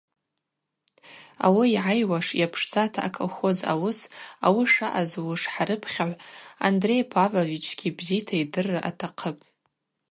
Ауи йгӏайуаш йапшдзата аколхоз ауыс, ауи шаъазлуш хӏарыпхьагӏв Андрей Павловичгьи бзита йдырра атахъыпӏ.